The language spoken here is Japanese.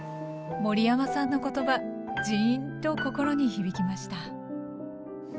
森山さんの言葉じんと心に響きました